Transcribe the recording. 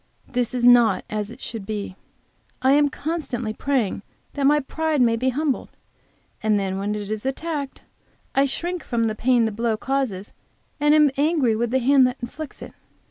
This is not as it should be. I am constantly praying that my pride may be humbled, and then when it is attacked, I shrink from the pain the blow causes, and am angry with the hand that inflicts it.